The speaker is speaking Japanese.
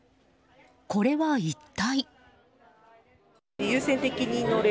これは一体。